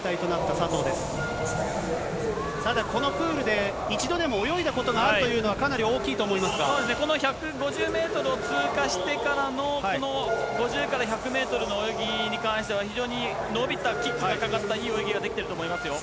さてこのプールで一度でも泳いだことがあるというのは、かなり大この１５０メートルを通過してからの、この５０から１００メートルの泳ぎに関しては非常に伸びた、キックがかかったいい泳ぎができてると思いますよ。